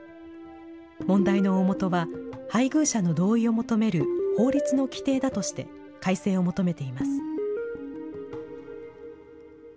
問題の大本は、配偶者の同意を求める法律の規定だとして、改正を求めています。